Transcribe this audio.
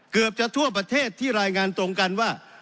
เกือบจะทั่วประเทศที่รายงานตรงกันว่า